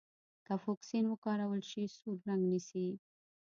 که فوکسین وکارول شي سور رنګ نیسي.